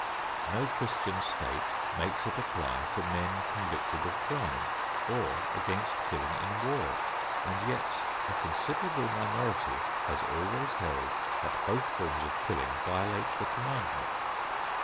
No Christian state makes it apply to men convicted of crime, or against killing in war, and yet a considerable minority has always held that both forms of killing violate the commandment.